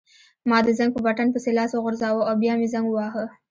ما د زنګ په بټن پسې لاس وروغځاوه او بیا مې زنګ وواهه.